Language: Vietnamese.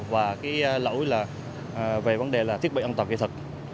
và cái lỗi là về vấn đề là thiết bị âm toàn kỹ thuật